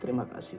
terima kasih om